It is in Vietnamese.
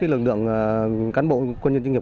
lượng lượng cán bộ quân nhân chuyên nghiệp